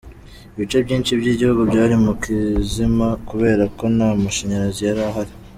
Ibice byinshi by’igihugu byari mu kizima kubera ko nta mashanyarazi yari ahari.